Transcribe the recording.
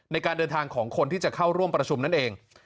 ในการเดินทางของคนที่จะเข้าร่วมประชุมนั่นเอง